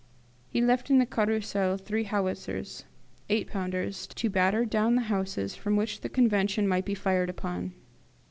He left in the Carrousel three howitzers (eight pounders) to batter down the houses from which the Convention might be fired upon.